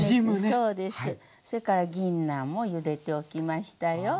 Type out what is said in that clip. それからぎんなんもゆでておきましたよ。